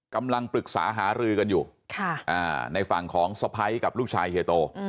กำลังปรึกษาหารือกันอยู่ในฝั่งของสะพ้ายกับลูกชายเฮียโต